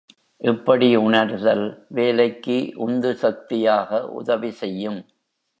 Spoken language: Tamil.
இப்படி உணர்தல் வேலைக்கு உந்து சக்தியாக உதவி செய்யும்.